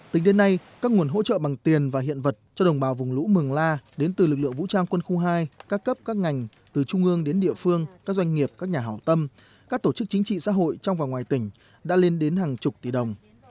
tính đến nay các nguồn hỗ trợ bằng tiền và hiện vật cho đồng bào vùng lũ mường la đến từ lực lượng vũ trang quân khu hai các cấp các ngành từ trung ương đến địa phương các doanh nghiệp các nhà hảo tâm các tổ chức chính trị xã hội trong và ngoài tỉnh đã lên đến hàng chục tỷ đồng